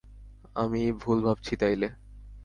আমিই, ভুল ভাবছি তাইলে।